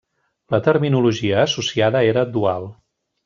La terminologia associada era dual.